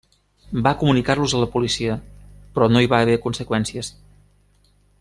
Va comunicar-los a la policia, però no hi va haver conseqüències.